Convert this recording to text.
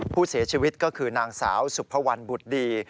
ผู้เสียชีวิตก็คือนางสาวสุภวรรณบุตรดี